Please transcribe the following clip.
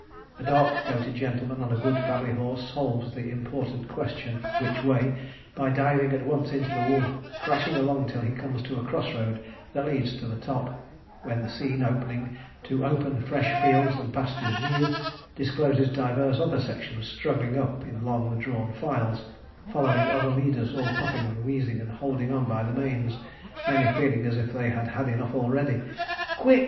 A dark coated gentleman on a good family horse solves the important question 'Which way?' by diving at once into the wood, crashing along till he comes to a cross road that leads to the top, when the scene opening to 'open fresh fields and pastures new,' discloses divers other sections struggling up in long drawn files, following other leaders, all puffing, and wheezing and holding on by the manes, many feeling as if they had had enough already 'Quick!'